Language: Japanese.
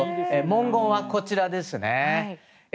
文言はこちらですね。